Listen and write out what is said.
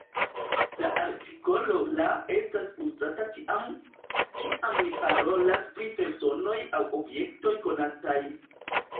La artikolo « la » estas uzata tiam, kiam ni parolas pri personoj aŭ objektoj konataj.